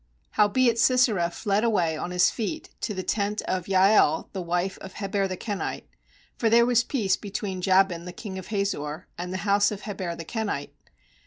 17Howbeit Sisera fled away on his feet to the tent of Jael the wife of He ber the Kenite; for there was peace between Jabm the king of Hazor and the house of Heber the Kenite.